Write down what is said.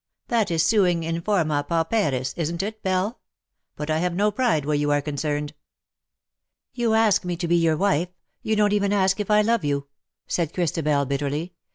That is sueing in formd pauperis, isn't it, Belle? But I have no pride where you are concerned."" " You ask me to be your wife ; you don't even ask if I love you/' said Christabel, bitterly.